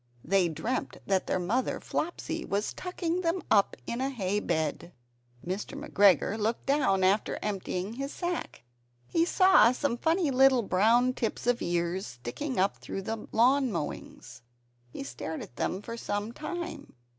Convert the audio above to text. They dreamt that their mother Flopsy was tucking them up in a hay bed. Mr. McGregor looked down after emptying his sack. He saw some funny little brown tips of ears sticking up through the lawn mowings. He stared at them for some time.